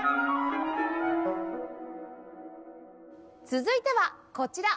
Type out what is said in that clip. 続いてはこちら。